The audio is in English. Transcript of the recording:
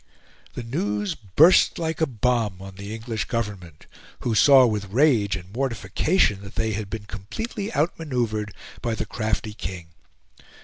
The news burst like a bomb on the English Government, who saw with rage and mortification that they had been completely outmanoeuvred by the crafty King.